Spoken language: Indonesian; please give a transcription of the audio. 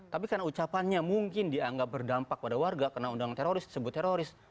tapi karena ucapannya mungkin dianggap berdampak pada warga karena undang teroris disebut teroris